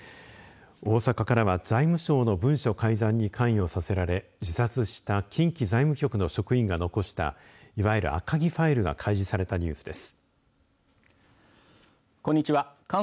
大阪からは財務省の文書改ざんに関与させられ自殺した近畿財務局の職員が残したいわゆる赤木ファイルが開示されたニュースです。